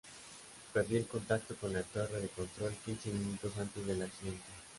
Perdí el contacto con la torre de control quince minutos antes del accidente.